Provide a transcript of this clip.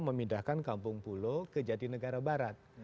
memindahkan kampung pulo ke jati negara barat